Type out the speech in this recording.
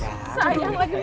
sayang lagi mau jual